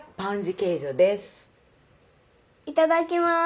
いただきます。